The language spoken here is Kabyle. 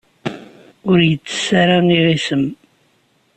Ur yettess ara iɣisem.